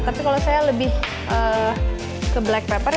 tapi kalau saya lebih ke black pepper